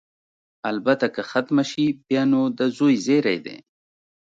البته که ختمه شي، بیا نو د زوی زېری دی.